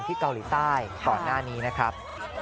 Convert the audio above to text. เกาหลีใต้ก่อนหน้านี้นะครับ